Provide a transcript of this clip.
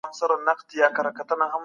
په ټولنه کي بدلون راولئ چي پرمختګ وشي.